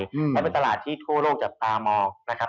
เพราะเป็นตลาดที่ทั่วโลกจับตามองนะครับ